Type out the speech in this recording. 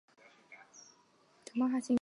首府普热梅希尔。